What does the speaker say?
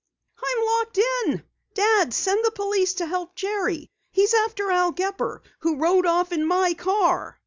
"I'm locked in. Dad, send the police to help Jerry. He's after Al Gepper who rode off in my car."